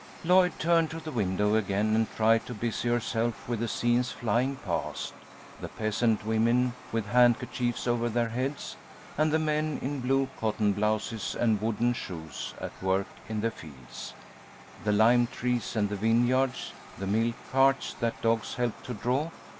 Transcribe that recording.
Lloyd turned to the window again and tried to busy herself with the scenes flying past: the peasant women with handkerchiefs over their heads, and the men in blue cotton blouses and wooden shoes at work in the fields; the lime trees and the vineyards, the milk carts that dogs helped to draw.